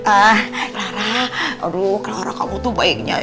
ah clara aduh clara kamu tuh baiknya